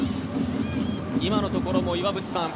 今のところも岩渕さん